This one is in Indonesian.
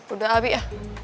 udah abik ya